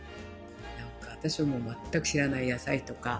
なんか私も全く知らない野菜とか。